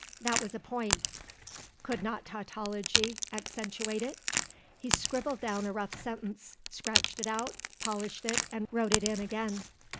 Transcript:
That was a point; could not tautology accentuate it? He scribbled down a rough sentence, scratched it out, polished it, and wrote it in again.